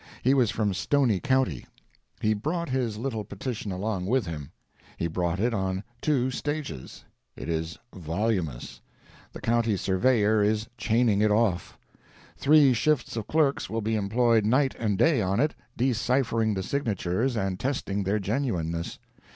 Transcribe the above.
He was from Storey county. He brought his little petition along with him. He brought it on two stages. It is voluminous. The County Surveyor is chaining it off. Three shifts of clerks will be employed night and day on it, deciphering the signatures and testing their genuineness.